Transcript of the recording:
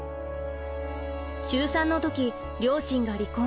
中３の時両親が離婚。